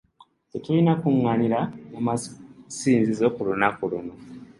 Tetulina kukungaanira mu masinzizo ku lunaku luno.